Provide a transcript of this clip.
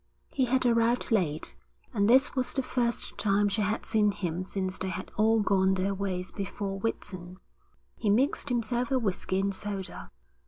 He had arrived late, and this was the first time she had seen him since they had all gone their ways before Whitsun. He mixed himself a whisky and soda.